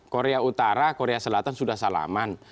korea utara korea selatan sudah salaman